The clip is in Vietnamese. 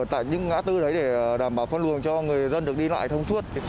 tại những ngã tư đấy để đảm bảo phân luồng cho người dân được đi lại thông suốt